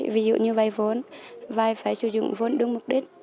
vốn và phải sử dụng vốn đúng mục đích